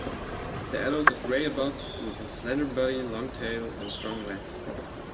The adult is grey above with a slender body, long tail and strong legs.